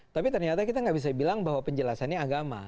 tapi ternyata kita nggak bisa bilang bahwa penjelasannya agama